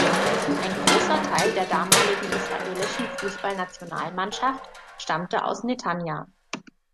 Ein großer Teil der damaligen Israelischen Fußballnationalmannschaft stammte aus Netanja.